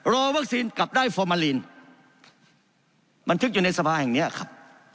รอวัคซีนกลับได้ฟอร์มาลีนบันทึกอยู่ในสภาแห่งนี้ครับ